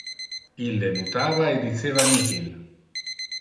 Ille nutava e diceva nihil.